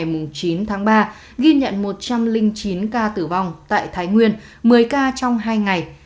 từ một mươi bảy h ba mươi ngày tám tháng ba đến một mươi bảy h ba mươi ngày chín tháng ba ghi nhận một trăm linh chín ca tử vong tại thái nguyên một mươi ca trong hai ngày